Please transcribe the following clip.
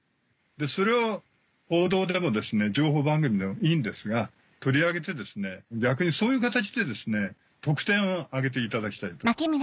それを報道でも情報番組でもいいんですが取り上げて逆にそういう形で得点を挙げていただきたいと。